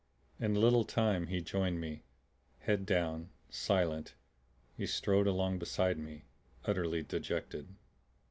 In a little time he joined me; head down, silent, he strode along beside me, utterly dejected.